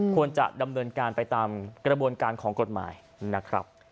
ควรจะดำเนินการไปตามกระบวนการของกฎหมายนะครับ